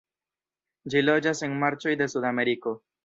Ĝi loĝas en marĉoj de Sudameriko.